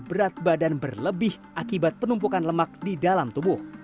berat badan berlebih akibat penumpukan lemak di dalam tubuh